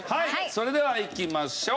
それではいきましょう。